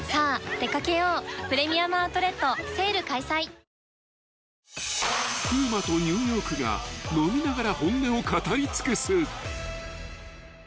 丕劭蓮キャンペーン中［風磨とニューヨークが飲みながら本音を語り尽くす］